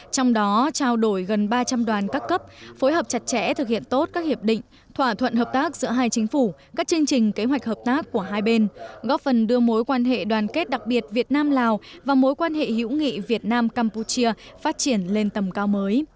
trong đó trao đổi gần ba trăm linh đoàn các cấp phối hợp chặt chẽ thực hiện tốt các hiệp định thỏa thuận hợp tác giữa hai chính phủ các chương trình kế hoạch hợp tác của hai bên góp phần đưa mối quan hệ đoàn kết đặc biệt việt nam lào và mối quan hệ hữu nghị việt nam campuchia phát triển lên tầm cao mới